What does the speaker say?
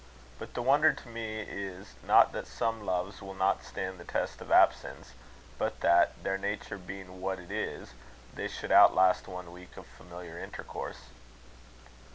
But the wonder to me is, not that some loves will not stand the test of absence, but that, their nature being what it is, they should outlast one week of familiar intercourse.